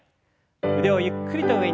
腕をゆっくりと上に。